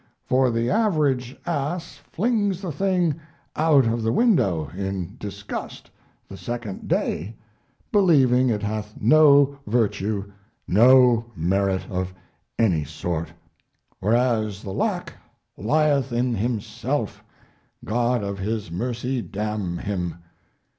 For the average ass flings the thing out of the window in disgust the second day, believing it hath no virtue, no merit of any sort; whereas the lack lieth in himself, God of his mercy damn him.